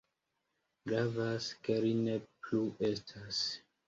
Gravas, ke li ne plu estas.